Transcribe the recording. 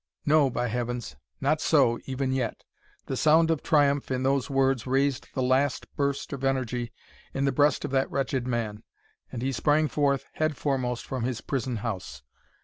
No, by heavens; not so, even yet! The sound of triumph in those words raised the last burst of energy in the breast of that wretched man; and he sprang forth, head foremost, from his prison house.